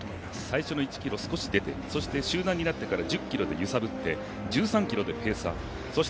最初の１ｋｍ少し出て集団になってから１０ｋｍで揺さぶって、１３ｋｍでペースアップ